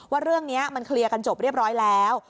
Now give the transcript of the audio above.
ว่าเรื่องนี้มันเคลียร์กันจบเรียบร้อยแล้ว